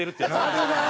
あるなあ！